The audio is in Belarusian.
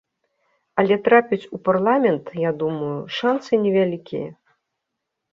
Але трапіць у парламент, я думаю, шанцы невялікія.